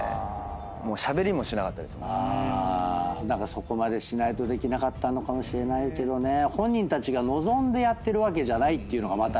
そこまでしないとできなかったかもしれないけど本人たちが望んでやってるわけじゃないっていうのがまたね。